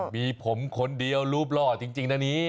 มีผมคนเดียวรูปหล่อจริงนะนี้